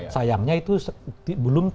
sayangnya itu belum